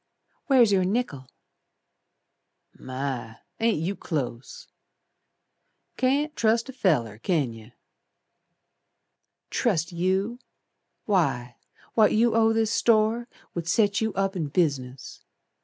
"Where's your nickel?" "My! Ain't you close! Can't trust a feller, can yer." "Trust you! Why What you owe this store Would set you up in business.